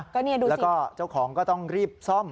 ก็แล้วก็เจ้าของก็ต้องรีบซ่อม